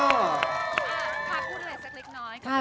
พูดอะไรสักเล็กน้อย